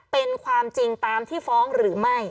เป็นความจริงตามที่ฟ้องหรือไม่